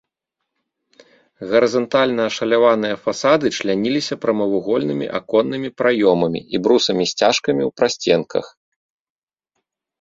Гарызантальна ашаляваныя фасады чляніліся прамавугольнымі аконнымі праёмамі і брусамі-сцяжкамі ў прасценках.